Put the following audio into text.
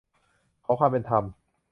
ขอความเป็นธรรม